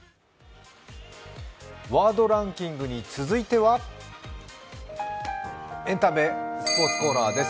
ワードランキングに続いては、エンタメ・スポーツコーナーです。